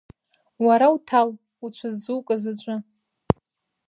Уара уҭал уҽыззукыз аҿы.